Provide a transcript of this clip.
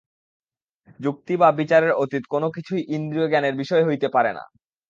যুক্তি বা বিচারের অতীত কোন কিছুই ইন্দ্রিয়-জ্ঞানের বিষয় হইতে পারে না।